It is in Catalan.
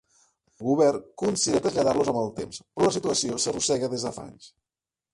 El govern considera traslladar-los amb el temps, però la situació s'arrossega des de fa anys.